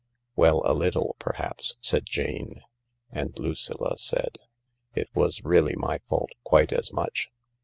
"Well, a little, perhaps," said Jane. And Lucilla said, " It was really my fault quite as much.